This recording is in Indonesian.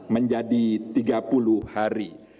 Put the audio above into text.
menjadi tiga puluh hari